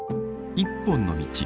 「一本の道」。